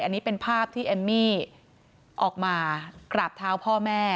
อันนี้เป็นภาพที่เอมมี่ออกมากราบเท้าพ่อแม่